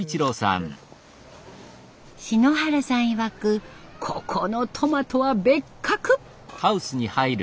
篠原さんいわくここのトマトは別格。